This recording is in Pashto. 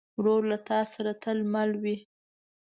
ورور له تا سره تل مل وي.